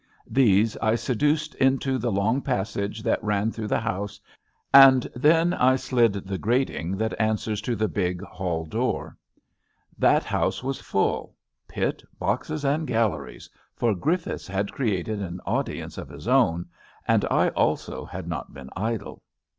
These I seduced into the long pas sage that ran through the house, and then I slid the grating that answers to the big hall door. That house was full — ^pit, boxes and galleries — for Griffiths had created an audience of his own, and I also had not been idle.